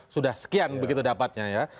sudah sekian begitu dapatnya ya